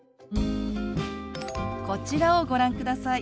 こちらをご覧ください。